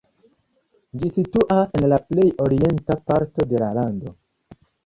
Ĝi situas en la plej orienta parto de la lando.